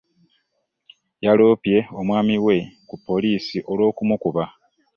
Yalopye omwami we ku polisi olwokumukuba.